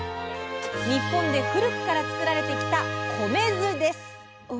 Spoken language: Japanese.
日本で古くからつくられてきた米酢です。